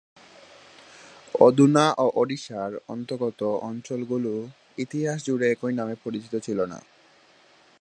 অধুনা ওড়িশার অন্তর্গত অঞ্চলগুলি ইতিহাস জুড়ে একই নামে পরিচিত ছিল না।